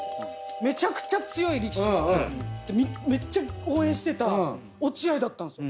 めちゃくちゃ強い力士のめっちゃ応援してた落合だったんすよ。